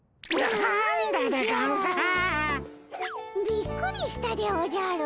びっくりしたでおじゃる。